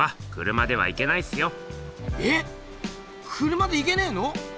車で行けねえの？